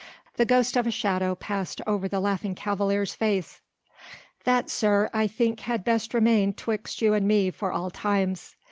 The ghost of a shadow passed over the Laughing Cavalier's face. "That, sir, I think had best remain 'twixt you and me for all times.